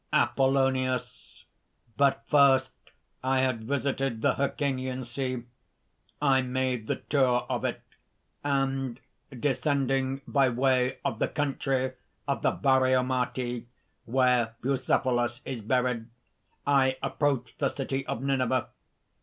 APOLLONIUS. "But first I had visited the Hyrcanian Sea; I made the tour of it; and descending by way of the country of the Baraomati, where Bucephalus is buried, I approached the city of Nineveh.